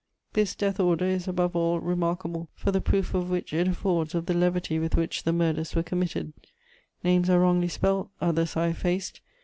This death order is, above all, remarkable for the proof which it affords of the levity with which the murders were committed: names are wrongly spelt, others are effaced.